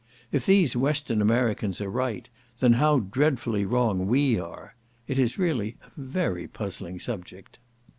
If these Western Americans are right, then how dreadfully wrong are we! It is really a very puzzling subject.